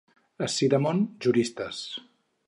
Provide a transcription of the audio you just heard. A Sidamon, juristes.